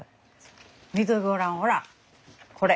見てごらんほらこれ。